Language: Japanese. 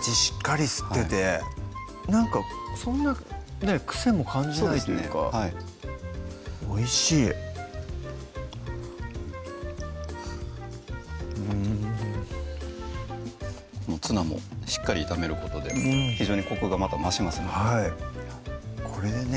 しっかり吸っててなんかそんなね癖も感じないというかおいしいうんツナもしっかり炒めることで非常にコクがまた増しますのでこれでね